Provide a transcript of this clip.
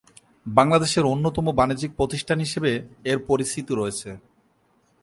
বাংলাদেশের অন্যতম বৃহৎ বাণিজ্যিক প্রতিষ্ঠান হিসেবে এর পরিচিতি রয়েছে।